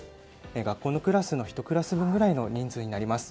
学校のクラスの１クラス分くらいの人数になります。